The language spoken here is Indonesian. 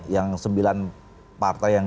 yang sembilan partai yang